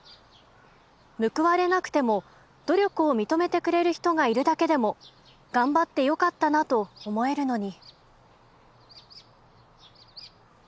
報われなくても努力を認めてくれる人がいるだけでも頑張ってよかったなと思えるのに」。